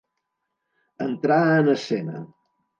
Entrar en escena.